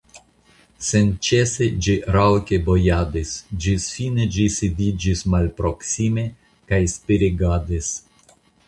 Senĉese ĝi raŭke bojadis, ĝis fine ĝi sidiĝis malproksime, kaj spiregadis.